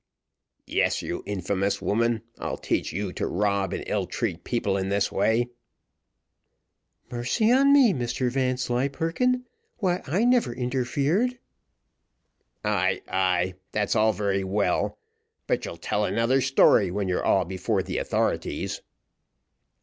"Yes, you infamous woman, I'll teach you to rob and ill treat people in this way." "Mercy on me! Mr Vanslyperken, why I never interfered." "Ay, ay, that's all very well; but you'll tell another story when you're all before the authorities."